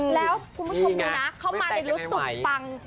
แล้วคุณผู้ชมดูนะเข้ามาในรู้สึกปัง